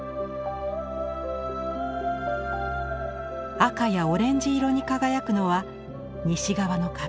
赤やオレンジ色に輝くのは西側の壁。